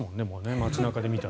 街中で見たら。